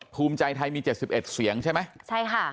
ภูมิใจไทยมี๗๑เสียงใช่ไหมใช่ค่ะ